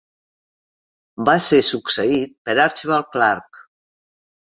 Va ser succeït per Archibald Clark.